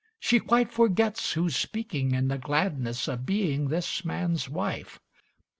She quite forgets who's speaking in the gladness Of being this man's wife.